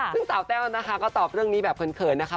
ซึ่งสาวแต้วนะคะก็ตอบเรื่องนี้แบบเขินนะคะ